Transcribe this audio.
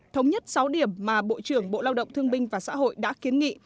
thống nhất sáu điểm mà bộ trưởng bộ lao động thương binh và xã hội đã kiến nghị